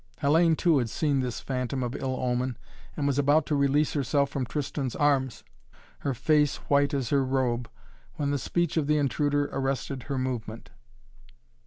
Hellayne, too, had seen this phantom of ill omen and was about to release herself from Tristan's arms, her face white as her robe, when the speech of the intruder arrested her movement.